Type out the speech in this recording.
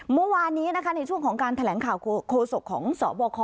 เมื่อวานนี้นะคะในช่วงของการแถลงข่าวโคศกของสบค